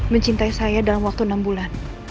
mencintai saya dalam waktu enam bulan